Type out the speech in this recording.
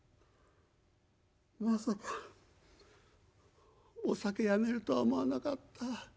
まさかお酒やめるとは思わなかった。